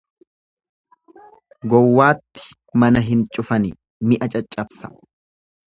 Gowwaatti mana hin cufani mi'a caccabsa.